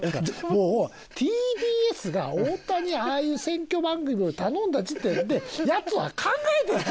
もうＴＢＳが太田にああいう選挙番組を頼んだ時点でヤツは考えてると！